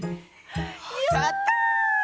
やったぁ！